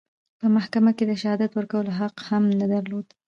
په محکمه کې د شهادت ورکولو حق هم نه درلود.